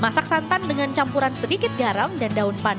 masak santan dengan campuran sedikit garam dan daun pandan agar gurih dan wangi